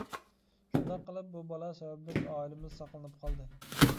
شۇنداق قىلىپ بۇ بالا سەۋەبلىك ئائىلىمىز ساقلىنىپ قالدى.